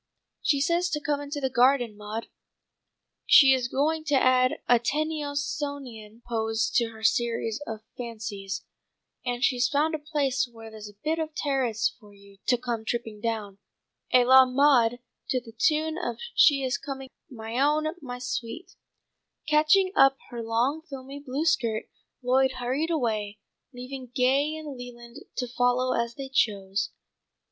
"She says to 'come into the garden, Maud.' She is going to add a Tennysonian pose to her series of Fancies, and she's found a place where there's a bit of terrace for you to come tripping down, à la Maud, to the tune of 'She is coming, my own, my sweet!'" Catching up her long filmy blue skirt, Lloyd hurried away, leaving Gay and Leland to follow as they chose.